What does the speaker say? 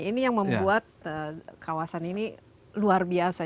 ini yang membuat kawasan ini luar biasa